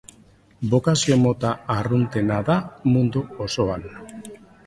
Bokazio mota arruntena da mundu osoan.